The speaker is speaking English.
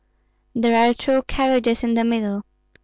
"There are two carriages in the middle."